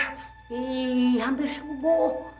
ih hampir subuh